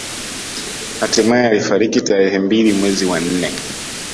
Hatimae alifariki tarehe mbili mwezi wa nne